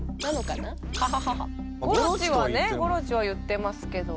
まあ「ゴロチ」とは。「ゴロチ」は言ってますけど。